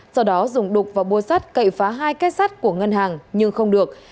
sau đó dùng đục và búa sắt cậy phá hai cái sắt của ngân hàng nhưng không được